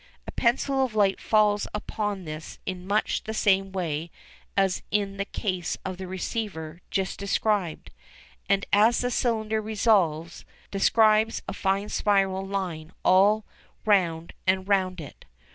A pencil of light falls upon this in much the same way as in the case of the receiver just described, and, as the cylinder revolves, describes a fine spiral line all round and round it.